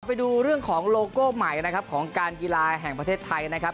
ไปดูเรื่องของโลโก้ใหม่นะครับของการกีฬาแห่งประเทศไทยนะครับ